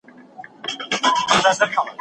بې خوبۍ د مزاج بدلون راولي.